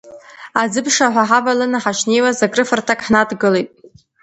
Аӡыԥшаҳәа ҳаваланы ҳашнеиуаз, крыфарҭак ҳнадгылеит.